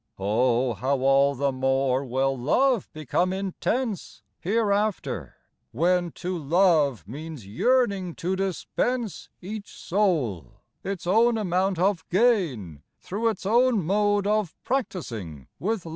"Oh, how all the more will love become in tense "Hereafter, when, * to love* means yearning to dispense Each soul, its own amount of gain through its own mode Of practicing with life